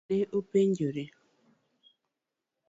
Ne openjore.